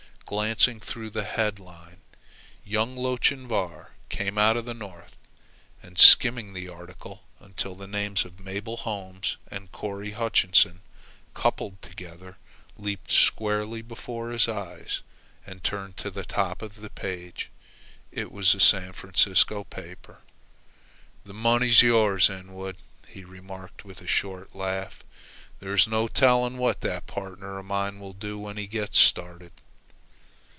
Glancing through the headline, "Young Lochinvar came out of the North," and skimming the article until the names of Mabel Holmes and Corry Hutchinson, coupled together, leaped squarely before his eyes, he turned to the top of the page. It was a San Francisco paper. "The money's yours, Inwood," he remarked, with a short laugh. "There's no telling what that partner of mine will do when he gets started."